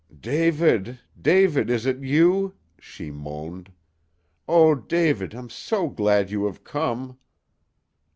"David David is it you?" she moaned. "Oh, David, I'm so glad you have come!"